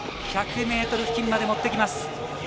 １００ｍ付近まで持ってきます。